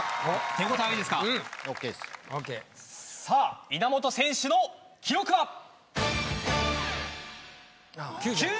さあ稲本選手の記録は？